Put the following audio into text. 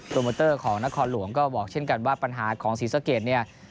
โมเตอร์ของนครหลวงก็บอกเช่นกันว่าปัญหาของศรีสะเกดเนี่ย